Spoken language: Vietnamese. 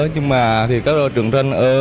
nhưng mà thì các trường tranh ớ